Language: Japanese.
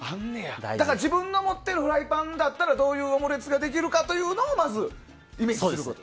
自分の持ってるフライパンだったらどういうオムレツができるかをまず、イメージすること。